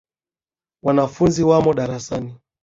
Wanafunzi wamo darasani.